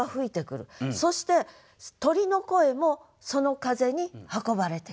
そして鳥の声もその風に運ばれてくる。